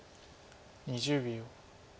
２０秒。